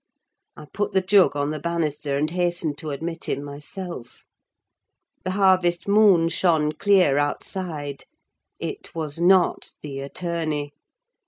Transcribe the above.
I put the jug on the banister and hastened to admit him myself. The harvest moon shone clear outside. It was not the attorney.